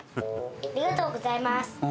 ありがとうございます。